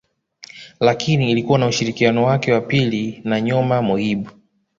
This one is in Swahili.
Lakini ilikuwa na ushirikiano wake wa pili na Nyoma Moyib